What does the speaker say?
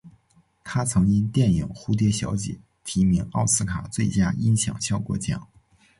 他曾因电影蝴蝶小姐提名奥斯卡最佳音响效果奖。